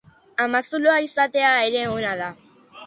Amazulo izatea ere ona da.